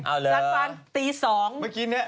เอาเลยสรรพรานตี๒นเมื่อกี้นี่